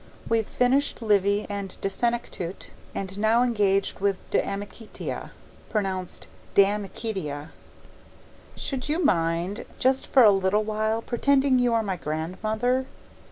We've finished Livy and De Senectute and are now engaged with De Amicitia (pronounced Damn Icitia). Should you mind, just for a little while, pretending you are my grandmother?